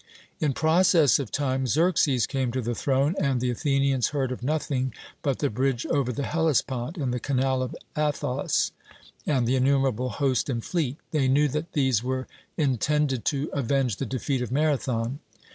In process of time Xerxes came to the throne, and the Athenians heard of nothing but the bridge over the Hellespont, and the canal of Athos, and the innumerable host and fleet. They knew that these were intended to avenge the defeat of Marathon.